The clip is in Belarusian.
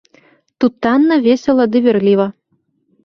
Тут танна, весела ды вірліва.